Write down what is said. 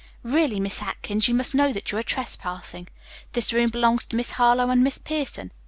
Really, Miss Atkins, you must know that you are trespassing. This room belongs to Miss Harlowe and Miss Pierson.